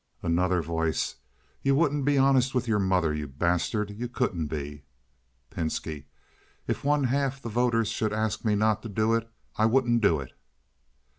Another Voice. "You wouldn't be honest with your mother, you bastard. You couldn't be!" Pinski. "If one half the voters should ask me not to do it I wouldn't do it."